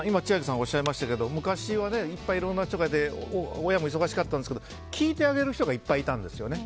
おっしゃいましたけど昔はいっぱい、いろんな人が親も忙しかったんですが聞いてあげる人がいっぱいいたんですね。